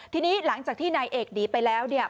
ทีนี้หลังจากที่นายเอกหนีไปแล้วเนี่ย